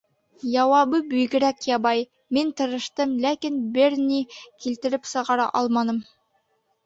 Яуабы бигерәк ябай: мин тырыштым, ләкин бер ни килтереп сығара алманым.